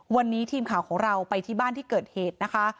วันนี้ทีมข่าวของเราไปที่บ้านที่เกิดเหตุนะคะ